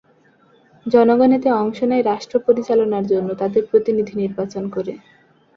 জনগণ এতে অংশ নেয় রাষ্ট্র পরিচালনার জন্য তাদের প্রতিনিধি নির্বাচন করে।